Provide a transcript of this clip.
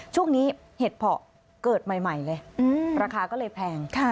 ช่วงนี้เหตุเผาเกิดใหม่เลยราคาก็เลยแพง